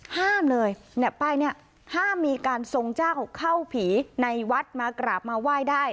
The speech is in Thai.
ห้ามเลยเนี่ยป้ายนี้ห้ามมีการทรงเจ้าเข้าผีในวัดมากราบมาไหว้ได้